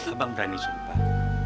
abang berani sumpah